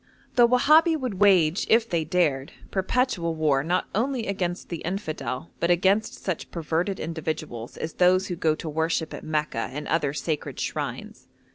The Wahabi would wage, if they dared, perpetual war not only against the infidel, but against such perverted individuals as those who go to worship at Mecca and other sacred shrines.